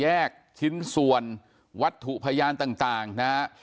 ชิ้นส่วนวัตถุพยานต่างนะฮะ